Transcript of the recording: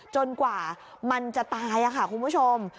กว่ามันจะตายค่ะคุณผู้ชม